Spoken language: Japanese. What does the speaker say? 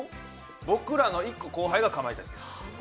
僕らの１個後輩がかまいたちです。